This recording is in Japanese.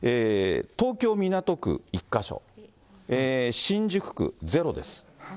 東京・港区１か所、新宿区ゼロです。